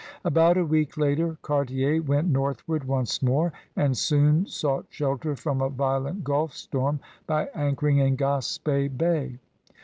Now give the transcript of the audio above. About a week later, Cartier went northward once more and soon sought shelter from a violent gulf storm by anchoring in Gaspe Bay.